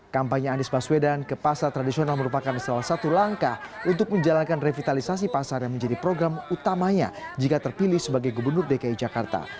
kampanye anies baswedan ke pasar tradisional merupakan salah satu langkah untuk menjalankan revitalisasi pasar yang menjadi program utamanya jika terpilih sebagai gubernur dki jakarta